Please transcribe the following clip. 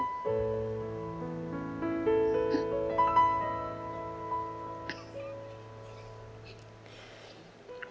กลัวลูกก็เรียนไม่จบ